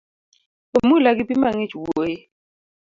Wemula gipi mang’ich wuoyi